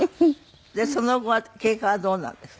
でその後は経過はどうなんですか？